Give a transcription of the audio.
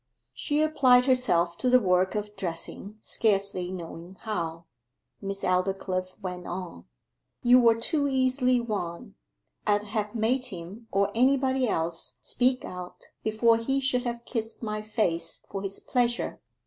She applied herself to the work of dressing, scarcely knowing how. Miss Aldclyffe went on: 'You were too easily won. I'd have made him or anybody else speak out before he should have kissed my face for his pleasure.